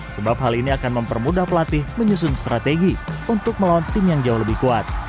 sebab hal ini akan mempermudah pelatih menyusun strategi untuk melawan tim yang jauh lebih kuat